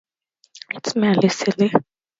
It's merely silly.